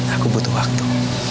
aku butuh waktu